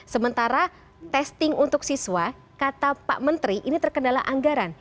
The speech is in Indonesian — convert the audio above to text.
sementara testing untuk siswa kata pak menteri ini terkendala anggaran